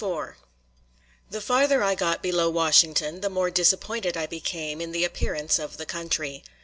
IV The farther I got below Washington, the more disappointed I became in the appearance of the country.